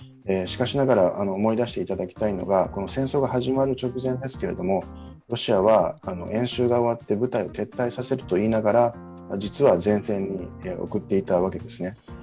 しかしながら思い出していただきたいのが、この戦争が始まる直前ですけれどもロシアは演習が終わって、部隊を撤退させると言いながら実は前線に送っていたわけですね。